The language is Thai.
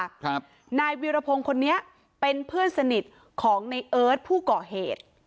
ครับนายวิรพงศ์คนนี้เป็นเพื่อนสนิทของในเอิร์ทผู้ก่อเหตุ